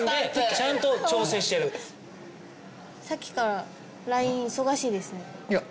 ちゃんと調整してるさっきからＬＩＮＥ忙しいですねいや